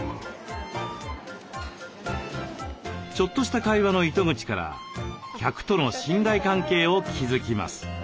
ちょっとした会話の糸口から客との信頼関係を築きます。